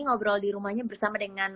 ngobrol di rumahnya bersama dengan